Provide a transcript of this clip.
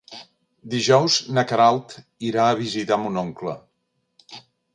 Dijous na Queralt irà a visitar mon oncle.